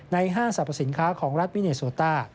ใน๕สรรพสินค้าของรัฐวิเนโซตา